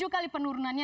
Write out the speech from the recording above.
tujuh kali penurunannya